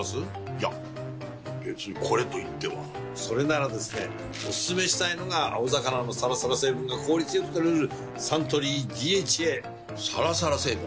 いや別にこれといってはそれならですねおすすめしたいのが青魚のサラサラ成分が効率良く摂れるサントリー「ＤＨＡ」サラサラ成分？